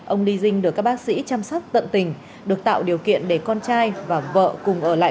ông ni dinh được các bác sĩ chăm sóc tận tình được tạo điều kiện để con trai và vợ cùng ở lại